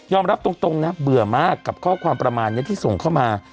รับตรงนะเบื่อมากกับข้อความประมาณนี้ที่ส่งเข้ามา